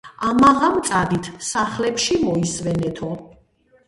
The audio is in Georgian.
ამაღამ წადით სახლებში მოისვენეთო